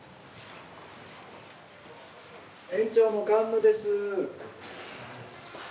園長の菅野です。